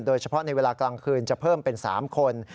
โดยเฉพาะในเวลากลางคืนจะเพิ่มเป็น๓คน